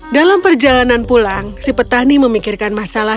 dalam perjalanan pulang si petani memikirkan masalah